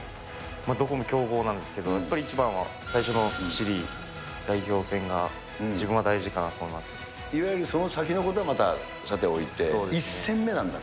どこも強豪なんですけど、やっぱり一番は最初のチリ、代表選が自分は大事かなと思いまいわゆるその先のことはまたさておいて、１戦目なんだと。